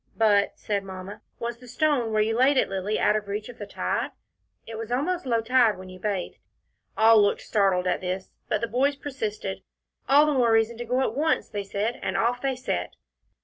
"But," said Mamma, "was the stone where you laid it, Lilly, out of reach of the tide? It was almost low tide when you bathed." All looked startled at this, but the boys persisted. "All the more reason to go at once," they said, and off they set.